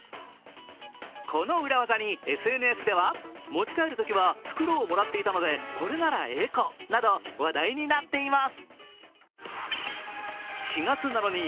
この裏技にＳＮＳでは、持ち帰るときは袋をもらっていたのでこれならエコなど、話題になっています。